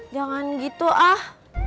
jangan gitu ah